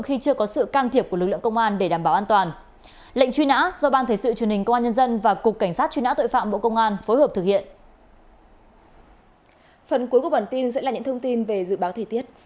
phần cuối của bản tin sẽ là những thông tin về dự báo thời tiết